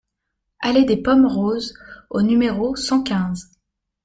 Allée des Pommes Roses au numéro cent quinze